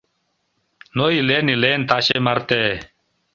Но, илен-илен таче марте